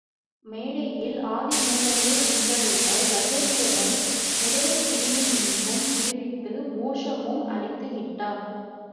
மேடையில், ஆதிமூலமே என்றழைத்த கஜேந்திரனை முதலைப் பிடியினின்றும் விடுவித்து மோக்ஷமும் அளித்து விட்டார்.